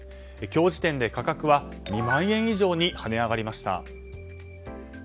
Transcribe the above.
今日時点で価格は２万円以上に跳ね上がりました。